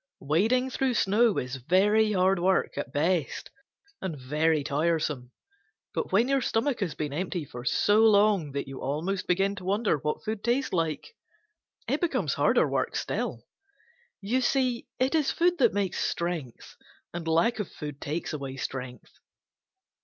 Wading through snow is very hard work at best and very tiresome, but when your stomach has been empty for so long that you almost begin to wonder what food tastes like, it becomes harder work still. You see, it is food that makes strength, and lack of food takes away strength.